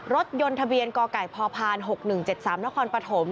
รถยนต์ทะเบียนกไก่พพ๖๑๗๓นครปฐม